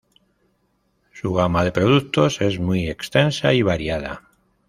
Su gama de productos es muy extensa y variada.